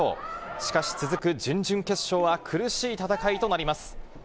しかし続く準々決勝は苦しい戦いとなります。